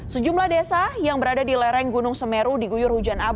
sejumlah desa yang berada di lereng gunung semeru diguyur hujan abu